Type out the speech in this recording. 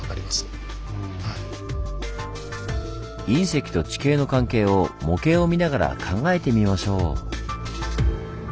隕石と地形の関係を模型を見ながら考えてみましょう！